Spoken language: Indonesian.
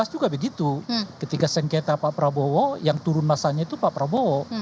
nah dua ribu sembilan belas juga begitu ketika sengketa pak prabowo yang turun massanya itu pak prabowo